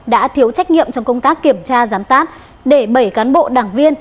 đã thiếu trách nhiệm trong công tác kiểm tra giám sát để bảy cán bộ đảng viên